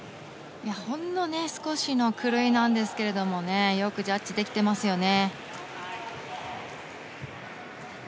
ほんの少しの狂いなんですけれどもよくジャッジできてますよね。